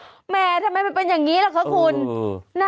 แหมทำไมมันเป็นอย่างนี้ล่ะคะคุณ